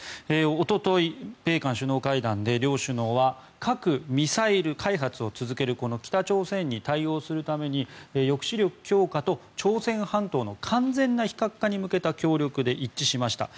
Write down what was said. おととい米韓首脳会談で両首脳は核・ミサイル開発を続ける北朝鮮に対応するために抑止力強化と、朝鮮半島の完全な非核化に向けた協力で一致しました。